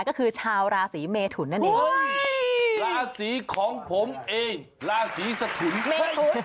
ก็คือชาวราศีเมถุนนั่นเองเฮ้ยราศีของผมเองราศีสะถุนเมถุน